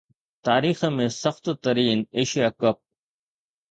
تاريخ ۾ سخت ترين ايشيا ڪپ